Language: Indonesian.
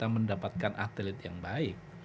mendapatkan atlet yang baik